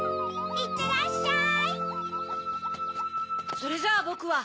いってらっしゃい！